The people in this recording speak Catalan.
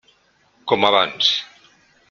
Com abans.